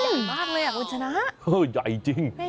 อุ้ยใหญ่มากเลยอ่ะอุชนะใหญ่จริง